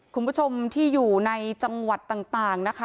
คุณผู้ชมที่อยู่ในจังหวัดต่างนะคะ